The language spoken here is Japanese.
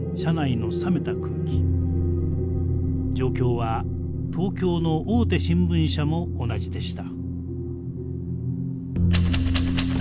状況は東京の大手新聞社も同じでした。